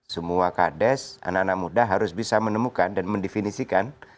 semua kades anak anak muda harus bisa menemukan dan mendefinisikan